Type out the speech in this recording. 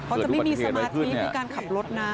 เค้าจะไม่มีสมาทีที่ขับรถนะ